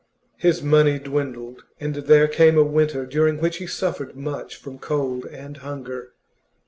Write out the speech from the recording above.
His money dwindled, and there came a winter during which he suffered much from cold and hunger.